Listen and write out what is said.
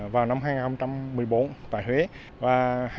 vào năm hai nghìn một mươi bốn tại huế và hai nghìn một mươi bảy